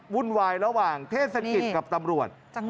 วุ่นวายระหว่างเทศกิจกับตำรวจ